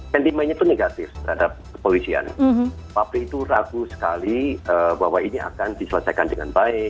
sentimennya itu negatif terhadap kepolisian publik itu ragu sekali bahwa ini akan diselesaikan dengan baik